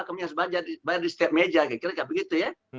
kami harus bayar di setiap meja kira kira begitu